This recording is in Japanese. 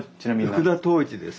福田東一です。